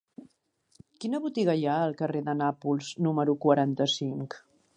Quina botiga hi ha al carrer de Nàpols número quaranta-cinc?